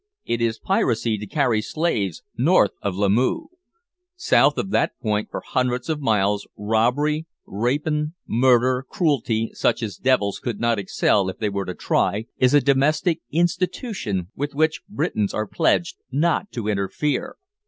It is "piracy" to carry slaves north of Lamoo. South of that point for hundreds of miles, robbery, rapine, murder, cruelty, such as devils could not excel if they were to try, is a "domestic institution" with which Britons are pledged not to interfere!